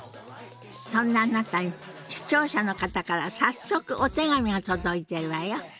そんなあなたに視聴者の方から早速お手紙が届いているわよ。